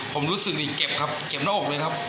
ผมรู้สึกดีเก็บครับเก็บหน้าอกเลยครับ